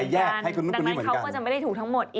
ดังนั้นเขาก็จะไม่ได้ถูกทั้งหมด